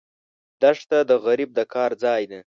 دښته د غریب د کار ځای ده.